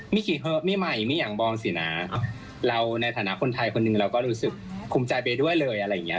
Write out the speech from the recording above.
มีคีย์เฮิบไม่ใหม่ไม่อย่างบองสินะเราในฐานะคนไทยคนนึงเราก็รู้สึกคุ้มใจไปด้วยเลยอะไรอย่างเงี้ย